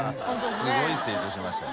すごい成長しましたよ。